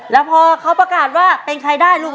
แล้วพอเขาประกาศว่าเป็นใครได้ลูก